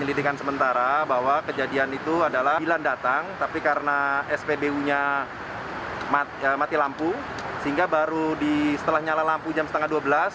penyelidikan sementara bahwa kejadian itu adalah bila datang tapi karena spbu nya mati lampu sehingga baru setelah nyala lampu jam setengah dua belas